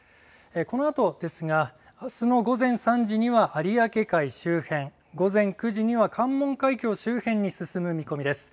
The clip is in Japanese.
このあとですがあすの午前３時には有明海周辺、午前９時には関門海峡周辺に進む見込みです。